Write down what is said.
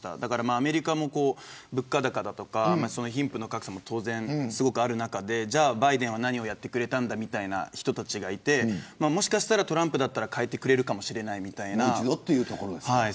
アメリカも物価高とか貧富の格差はある中でバイデンは何をやってくれたんだと言う人たちがいてトランプさんだったら変えてくれるかもしれないみたいな。